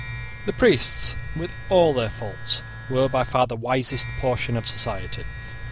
The priests, with all their faults, were by far the wisest portion of society.